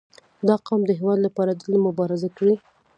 • دا قوم د هېواد لپاره تل مبارزه کړې.